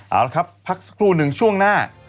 เอาละครับพักสักครู่หนึ่งช่วงหน้า